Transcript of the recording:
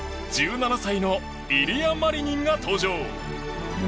１７歳のイリア・マリニンが登場！